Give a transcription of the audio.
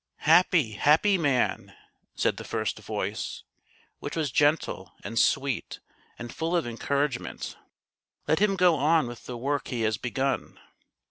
" Happy, happy man !" said the first voice, which was gentle and sweet and full of encouragenjent. " Let him go on with the work he has begun.